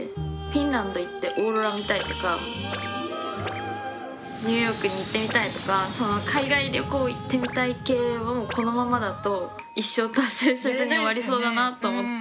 フィンランド行ってオーロラ見たいとかニューヨークに行ってみたいとか海外旅行行ってみたい系をこのままだと一生達成せずに終わりそうだなと思って。